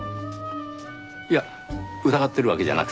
いや疑ってるわけじゃなくて。